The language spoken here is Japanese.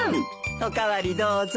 お代わりどうぞ。